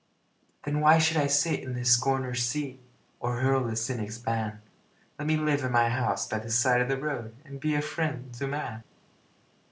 Then why should I sit in the scorner's seat, Or hurl the cynic's ban? Let me live in my house by the side of the road And be a friend to man.